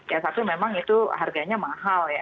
yang satu memang itu harganya mahal ya